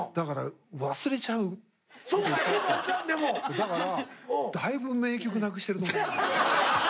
だからだいぶ名曲なくしてると思う。